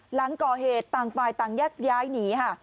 หลังก่อเหตุต่างฝ่ายต่างแยกย้ายหนีค่ะ